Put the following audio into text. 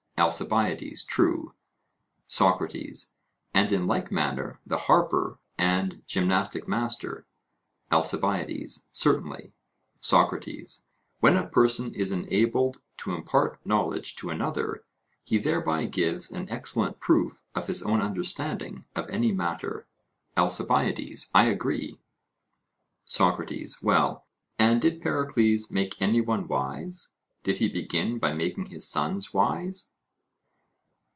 ALCIBIADES: True. SOCRATES: And in like manner the harper and gymnastic master? ALCIBIADES: Certainly. SOCRATES: When a person is enabled to impart knowledge to another, he thereby gives an excellent proof of his own understanding of any matter. ALCIBIADES: I agree. SOCRATES: Well, and did Pericles make any one wise; did he begin by making his sons wise?